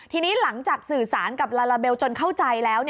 ทีนี้หลังจากสื่อสารกับลาลาเบลจนเข้าใจแล้ว